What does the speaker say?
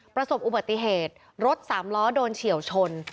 ประสบอุบัติเหตุรถสามล้อโดนเฉียวชน